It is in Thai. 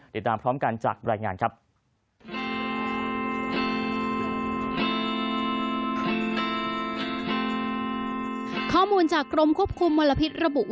ติดตามพร้อมกันจากรายงานครับ